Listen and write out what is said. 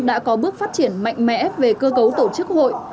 đã có bước phát triển mạnh mẽ về cơ cấu tổ chức hội